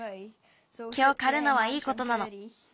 けをかるのはいいことなの。